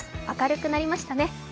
明るくなりましたね。